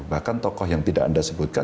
bahkan tokoh yang tidak anda sebutkan